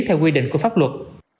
theo quy định của pháp luật